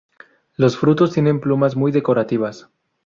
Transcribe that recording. Los frutos tienen plumas muy decorativas.